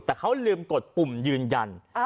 แต่เลี่ยงกดปุ่มยืนยัน